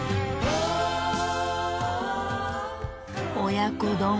親子丼。